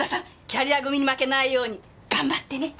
キャリア組に負けないように頑張ってね。